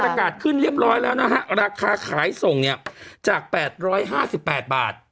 ประกาศขึ้นเรียบร้อยแล้วนะฮะราคาขายส่งเนี่ยจากแปดร้อยห้าสิบแปดบาท